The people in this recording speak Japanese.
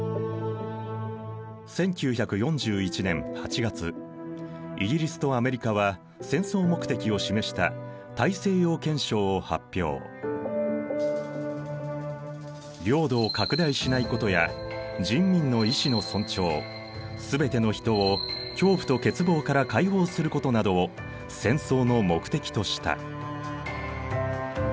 １９４１年８月イギリスとアメリカは戦争目的を示した領土を拡大しないことや人民の意思の尊重全ての人を恐怖と欠乏から解放することなどを戦争の目的とした。